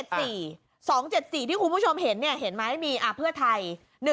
๒๗๔ที่คุณผู้ชมเห็นเห็นไหมมีเพื่อไทย